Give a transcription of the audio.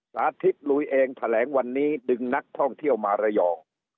สาธิตลุยเองแถลงวันนี้ดึงนักท่องเที่ยวมาระยอง